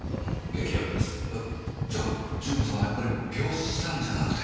えじゃあ順子さんはやっぱり病死したんじゃなくて。